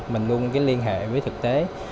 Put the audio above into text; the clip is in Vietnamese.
mình luôn liên hệ với thực tế